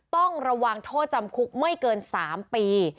ต้องระวังโทษจำคุกไม่เกิน๓ปี